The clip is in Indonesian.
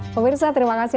pak pirsah terima kasih